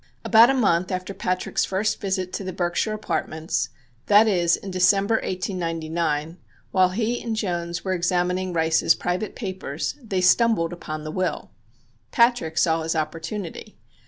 About a month after Patrick's first visit to the Berkshire Apartments, that is, in December, 1899, while he and Jones were examining Rice's private papers, they stumbled upon the will. Patrick saw his opportunity.